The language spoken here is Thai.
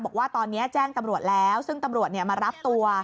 บอกว่าตอนนี้แจ้งตำรวจแล้วซึ่งตำรวจมารับตัว